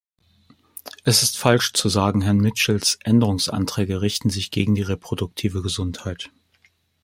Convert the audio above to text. Es ist falsch zu sagen, Herrn Mitchells Änderungsanträge richteten sich gegen die reproduktive Gesundheit.